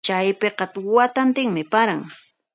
Chaypiqa watantinmi paran.